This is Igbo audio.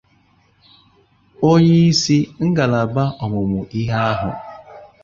onyeisi ngalaba ọmụmụ ihe ahụ